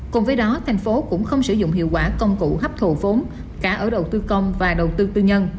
cùng với đó thành phố cũng không sử dụng hiệu quả công cụ hấp thụ vốn cả ở đầu tư công và đầu tư tư nhân